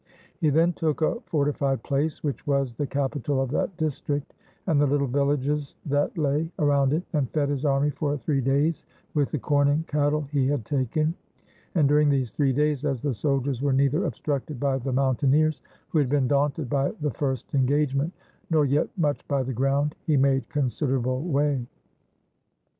He then took a fortified place, which was the capital of that district, and the little villages that lay around it, and fed his army for three days with the corn and cattle he had taken; and during these three days, as the soldiers were neither obstructed by the mountain eers, who had been daunted by the first engagement, nor yet much by the ground, he made considerable way.